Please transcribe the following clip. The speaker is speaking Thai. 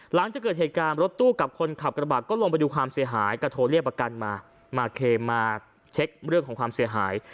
หลังจากเกิดเหตุการณ์รถตู้กับคนขับกระบะก็ลงไปดูความเสียหายก็โทรเรียกประกันมามาเคมาเช็คเรื่องของความเสียหาย